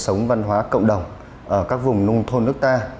sống văn hóa cộng đồng ở các vùng nông thôn nước ta